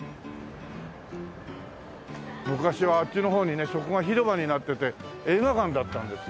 昔はあっちの方にねそこが広場になってて映画館だったんですよ。